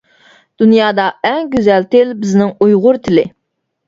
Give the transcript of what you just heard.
دۇنيادا ئەڭ گۈزەل تىل بىزنىڭ ئۇيغۇر تىلى!